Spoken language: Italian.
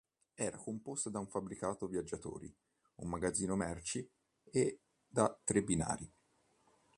Era composta da un fabbricato viaggiatori, un magazzino merci e da tre binari.